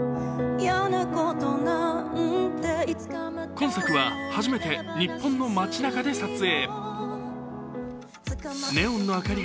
今作は初めて日本の街なかで撮影。